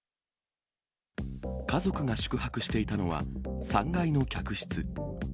家族が宿泊していたのは、３階の客室。